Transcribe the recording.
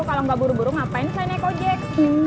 kalau gak buru buru ngapain sayangnya kojek